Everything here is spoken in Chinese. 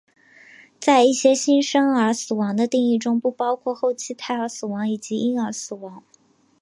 在一些新生儿死亡的定义中不包括后期胎儿死亡以及婴儿死亡。